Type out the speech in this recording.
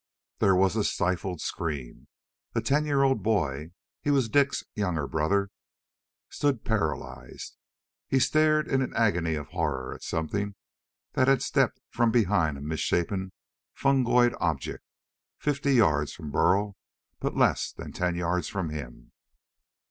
There was a stifled scream. A ten year old boy he was Dik's younger brother stood paralyzed. He stared in an agony of horror at something that had stepped from behind a misshapen fungoid object fifty yards from Burl, but less than ten yards from him.